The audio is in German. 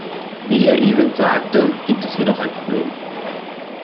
Wie Herr Evans sagte, gibt es jedoch ein Problem.